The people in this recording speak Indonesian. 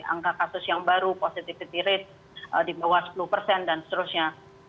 angka kasus yang baru positivity rate di bawah sepuluh persen dan seterusnya